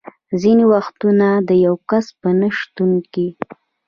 ځینې وختونه د یو کس په نه شتون کې.